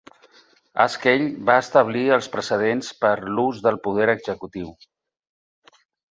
Haskell va establir els precedents per l'ús del poder executiu.